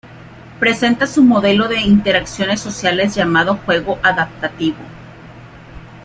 Presenta su modelo de interacciones sociales llamado 'juego adaptativo'.